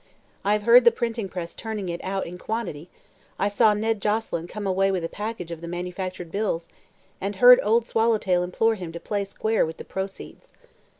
I have heard the printing press turning it out in quantity; I saw Ned Joselyn come away with a package of the manufactured bills and heard Old Swallowtail implore him to 'play square' with the proceeds.